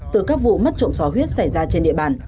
từ các vụ mất trộm sò huyết xảy ra trên địa bàn